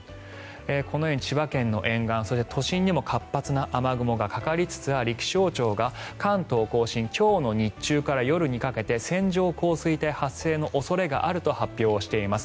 このように千葉県の沿岸都心でも活発な雨雲がかかりつつあり気象庁が関東・甲信今日の日中から夜にかけて線状降水帯発生の恐れがあると発表しています。